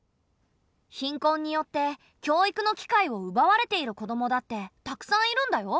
貧困によって教育の機会をうばわれている子どもだってたくさんいるんだよ。